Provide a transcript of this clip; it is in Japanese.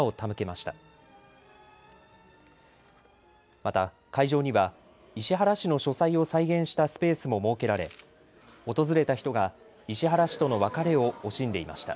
また会場には石原氏の書斎を再現したスペースも設けられ訪れた人が石原氏との別れを惜しんでいました。